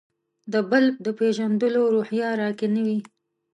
د «بل» د پېژندلو روحیه راکې نه وي.